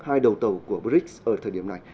hai đầu tàu của brics ở thời điểm này